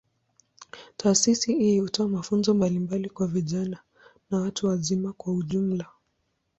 Taasisi hii hutoa mafunzo mbalimbali kwa vijana na watu wazima kwa ujumla.